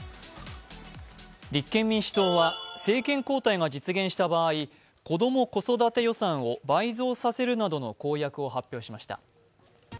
立憲民主党は政権交代が実現した場合、子ども・子育て予算を倍増させるなどの公約を発表しました。